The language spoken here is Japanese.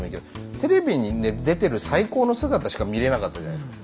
テレビに出てる最高の姿しか見れなかったじゃないですか。